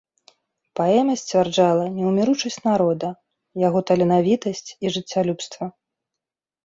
Паэма сцвярджала неўміручасць народа, яго таленавітасць і жыццялюбства.